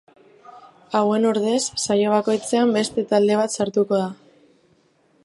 Hauen ordez, saio bakoitzean beste talde bat sartuko da.